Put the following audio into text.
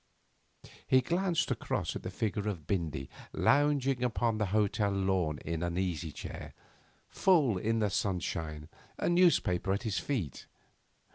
He glanced across at the figure of Bindy lounging upon the hotel lawn in an easy chair, full in the sunshine, a newspaper at his feet.